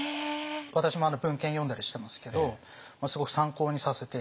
私も文献読んだりしてますけどすごく参考にさせて頂いてますね。